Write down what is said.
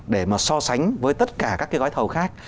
để mà so sánh với tất cả các cái gói thầu khác